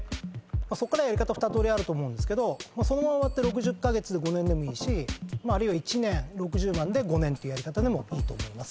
そこからはやり方２とおりあると思うんですけどそのまま割って６０カ月で５年でもいいしまああるいは１年６０万で５年というやり方でもいいと思います。